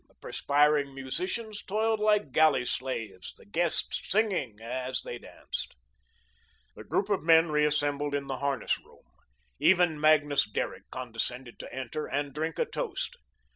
The perspiring musicians toiled like galley slaves; the guests singing as they danced. The group of men reassembled in the harness room. Even Magnus Derrick condescended to enter and drink a toast.